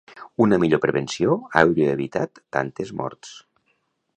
Una millor prevenció hauria evitat tantes morts.